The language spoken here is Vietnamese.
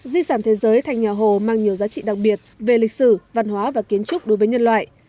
di sản thế giới thành nhà hồ mang nhiều giá trị đặc biệt về lịch sử văn hóa và kiến trúc đối với nhân loại